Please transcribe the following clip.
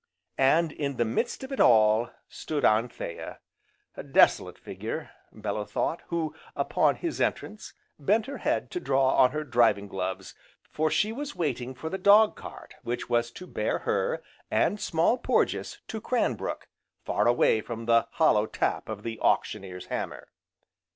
And, in the midst of it all, stood Anthea, a desolate figure, Bellew thought, who, upon his entrance, bent her head to draw on her driving gloves, for she was waiting for the dog cart which was to bear her, and Small Porges to Cranbrook, far away from the hollow tap of the auctioneer's hammer.